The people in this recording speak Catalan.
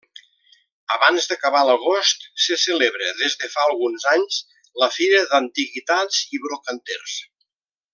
Abans d'acabar l'agost se celebra, des de fa alguns anys, la Fira d'Antiguitats i Brocanters.